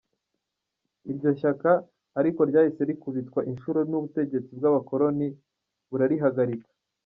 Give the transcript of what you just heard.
Iryo shyaka ariko ryahise rikubitwa inshuro n’ubutegetsi bw’abakoloni burarihagarika.